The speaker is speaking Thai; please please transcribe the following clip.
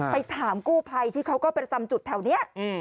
ไปถามกู้ภัยที่เขาก็ประจำจุดแถวนี้